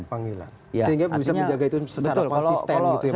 sehingga bisa menjaga itu secara pasisten gitu ya mas ya